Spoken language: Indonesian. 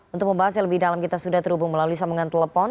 untuk membahas yang lebih dalam kita sudah terhubung melalui sambungan telepon